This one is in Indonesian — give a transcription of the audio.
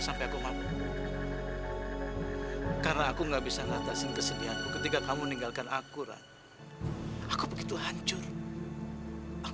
sampai jumpa di video selanjutnya